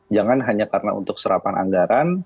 jangan hanya karena untuk serapan anggaran